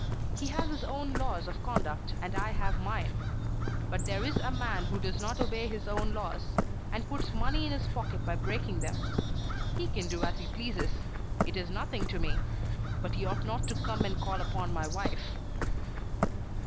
He has his own laws of conduct and I have mine. But here is a man who does not obey his own laws; and puts money in his pocket by breaking them. He can do as he pleases. It is nothing to me. But he ought not to come and call upon my wife."